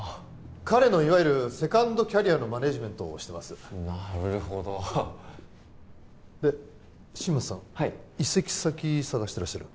彼のいわゆるセカンドキャリアのマネジメントをしてますなるほどで新町さん移籍先探してらっしゃる？